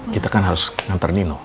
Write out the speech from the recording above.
kita kan harus ngantar nino